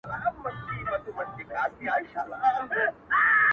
هو په همزولو کي له ټولو څخه پاس يمه،